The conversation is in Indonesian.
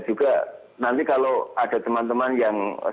bukan cuma pada petera dua dan tiga